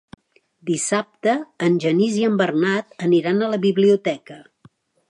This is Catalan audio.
Dissabte en Genís i en Bernat aniran a la biblioteca.